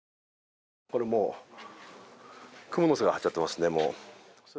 これもう、くもの巣がはっちゃってますね。